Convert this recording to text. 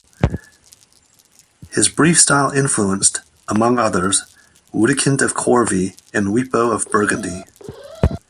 His brief style influenced, among others, Widukind of Corvey and Wipo of Burgundy.